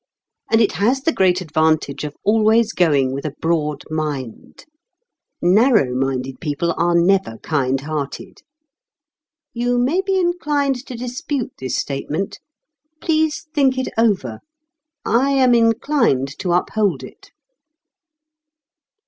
And it has the great advantage of always going with a broad mind. Narrow minded people are never kind hearted. You may be inclined to dispute this statement: please think it over; I am inclined to uphold it.